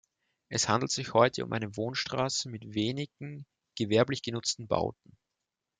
Es handelt sich heute um eine Wohnstraße mit wenigen gewerblich genutzten Bauten.